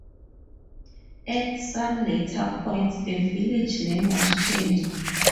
At some later point the village name was changed.